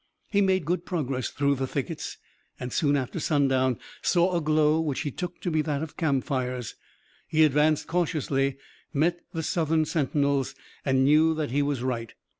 He made good progress through the thickets, and soon after sundown saw a glow which he took to be that of campfires. He advanced cautiously, met the Southern sentinels and knew that he was right.